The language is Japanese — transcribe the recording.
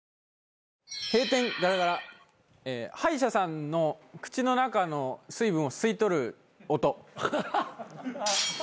閉店ガラガラ歯医者さんの口の中の水分を吸い取る音。